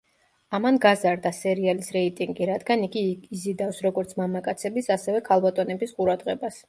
ამან გაზარდა სერიალის რეიტინგი, რადგან იგი იზიდავს როგორც მამაკაცების ასევე ქალბატონების ყურადღებას.